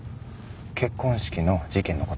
結婚式の事件の事。